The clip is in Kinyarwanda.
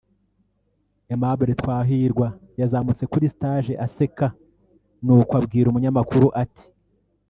Aimable Twahirwa yazamutse kuri stage aseka n’uko abwira Umunyamakuru ati